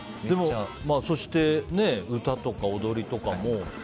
そして、歌とか踊りとかも。